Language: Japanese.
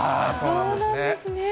そうなんですね。